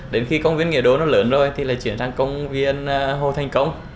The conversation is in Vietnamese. đến khi công viên nghĩa đô lớn rồi thì là chuyển sang công viên hồ thành công